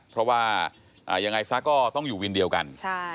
เพราะว่ายังไงซะก็ต้องอยู่วินเดียวกัน